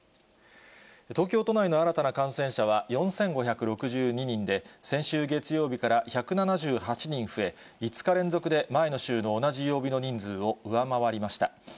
東京都内の新たな感染者は４５６２人で、先週月曜日から１７８人増え、５日連続で前の週の同じ曜日の人数を上回りました。